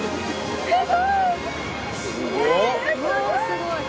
すごい。